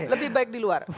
lebih baik di luar